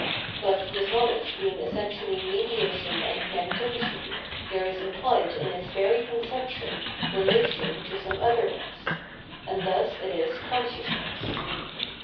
But, this knowledge being essentially mediation and negativity, there is im plied ill its very conception relation to some otherness ; and thus it is co?isciausness.